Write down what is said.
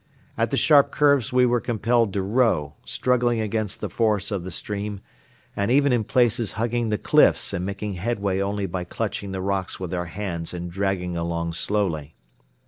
At the sharp curves we were compelled to row, struggling against the force of the stream and even in places hugging the cliffs and making headway only by clutching the rocks with our hands and dragging along slowly.